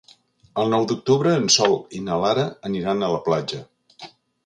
El nou d'octubre en Sol i na Lara aniran a la platja.